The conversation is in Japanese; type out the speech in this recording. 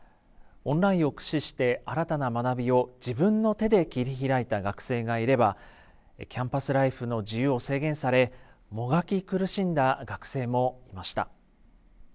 オンラインを駆使して新たな学びを自分の手で切り開いた学生がいればキャンパスライフの自由を制限されもがき苦しんだ学生もいました。